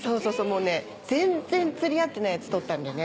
もうね全然釣り合ってないやつ取ったんだよね。